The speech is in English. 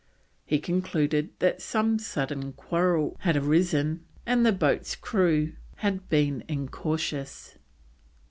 He concluded that some sudden quarrel had arisen and the boat's crew had been incautious.